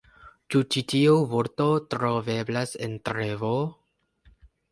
Ĉu ĉi tiu vorto troveblas en ReVo?